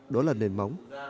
đó là nền móng